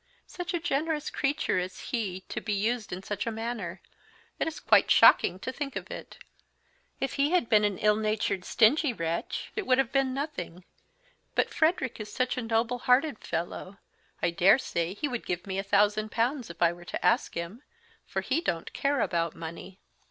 "Such a generous creature as he to be used in such a manner it is quite shocking to think of it! If he had been an ill natured stingy wretch it would have been nothing; but Frederick is such a noble hearted fellow I dare say he would give me a thousand pounds if I were to ask him, for he don't care about money."